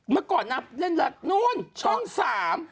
มาก่อนอ้ำเล่นละนู้นช่องสาม